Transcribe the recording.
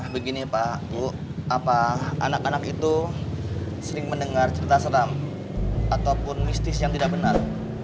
begini pak bu apa anak anak itu sering mendengar cerita seram ataupun mistis yang tidak benar